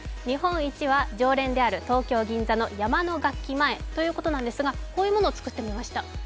日本一は常連である東京・銀座の山野楽器前ということなんですがこういう者を作ってみました。